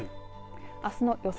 あすの予想